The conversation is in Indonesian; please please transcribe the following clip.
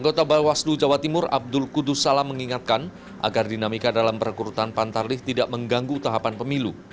kepala pps di jawa timur abdul kudus salah mengingatkan agar dinamika dalam perkurutan pantarlih tidak mengganggu tahapan pemilu